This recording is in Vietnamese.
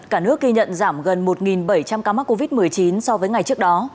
cả nước ghi nhận giảm gần một bảy trăm linh ca mắc covid một mươi chín so với ngày trước đó